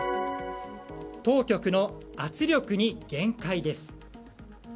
当局の圧力に限界です。